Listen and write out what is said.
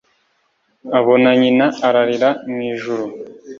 abona nyina ararira mu ijuru